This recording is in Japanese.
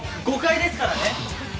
誤解ですからね。